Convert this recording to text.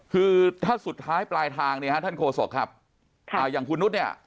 คือถ้าสุดท้ายปลายทางเนี่ยฮะท่านโฆษกครับอย่างคุณนุษย์เนี่ย